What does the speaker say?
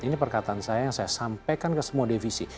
ini perkataan saya yang saya sampaikan ke semua divisi